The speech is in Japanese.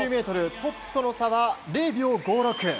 トップとの差は０秒５６。